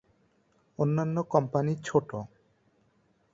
অন্যান্য কোম্পানি ছোট।